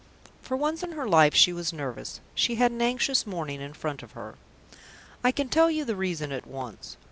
For once in her life she was nervous; she had an anxious morning in front of her. I can tell you the reason at once.